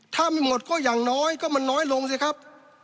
ถ้าไม่หมดก็อย่างน้อยก็มันน้อยลงสิครับ